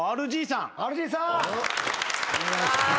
ＲＧさん。